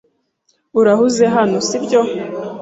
Urahuze hano, sibyo?